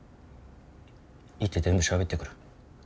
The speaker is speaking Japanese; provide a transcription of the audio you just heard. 行って全部しゃべってくる。